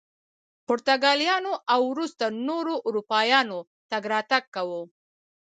پرتګالیانو او وروسته نورو اروپایانو تګ راتګ کاوه.